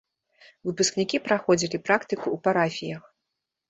Выпускнікі праходзілі практыку ў парафіях.